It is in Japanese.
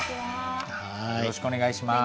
よろしくお願いします。